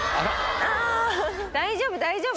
大丈夫大丈夫。